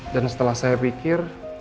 dan setelah saya pikir